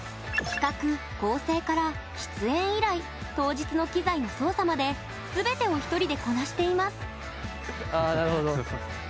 企画構成から出演依頼当日の機材の操作まですべてを１人でこなしています。